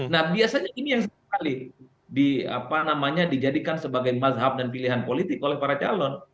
nah biasanya ini yang seringkali dijadikan sebagai mazhab dan pilihan politik oleh para calon